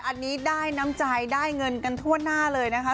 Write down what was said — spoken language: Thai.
อันนี้ได้น้ำใจได้เงินกันทั่วหน้าเลยนะคะ